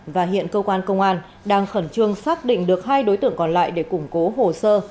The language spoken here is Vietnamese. và hiện cơ quan công an đang khẩn trương xác định được hai đối tượng còn lại để củng cố hồ sơ